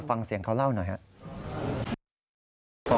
ฟังเสียงเขาเล่าหน่อยครับ